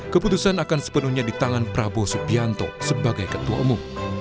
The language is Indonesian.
keputusan akan sepenuhnya di tangan prabowo subianto sebagai ketua umum